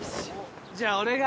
じゃあ俺が。